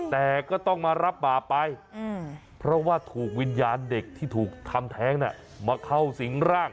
แต่ก็ต้องมารับบาปไปเพราะว่าถูกวิญญาณเด็กที่ถูกทำแท้งมาเข้าสิงร่าง